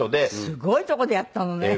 すごい所でやったのね。